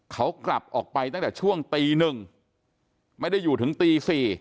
เขากลับออกไปตั้งแต่ช่วงตีหนึ่งไม่ได้อยู่ถึงตี๔